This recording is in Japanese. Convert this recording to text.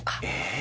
え。